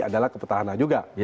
adalah kepetahanan juga